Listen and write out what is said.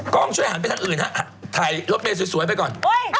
กล้องช่วยหาเป็นทางอื่นฮะถ่ายรถเมนสวยสวยไปก่อน